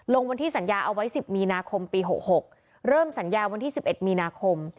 ลงวันที่สัญญาเอาไว้๑๐มีนาคมปี๖๖เริ่มสัญญาวันที่๑๑มีนาคม